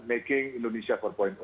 making indonesia empat